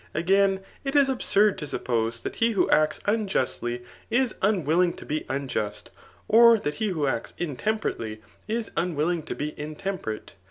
Again, it is absurd to suppose, that be who acts unjustly is unwilling to be unjust, or that he who acts intemperately is unwiHing to be intemperate.